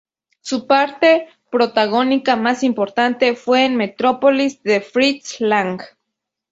Su parte protagónica más importante fue en Metrópolis, de Fritz Lang.